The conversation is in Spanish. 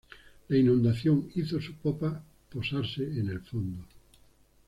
La inundación hizo su popa posarse en el fondo.